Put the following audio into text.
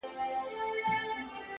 داده پښتانه اشنٰا.!